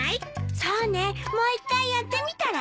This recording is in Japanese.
そうねもう一回やってみたら？